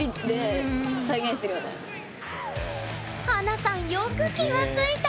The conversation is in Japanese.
華さんよく気が付いた！